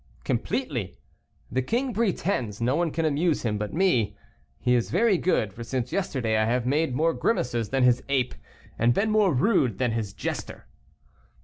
"Completely. The king pretends no one can amuse him but me. He is very good, for since yesterday I have made more grimaces than his ape, and been more rude than his jester."